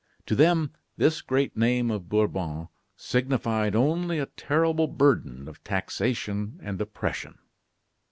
To them this great name of Bourbon signified only a terrible burden of taxation and oppression.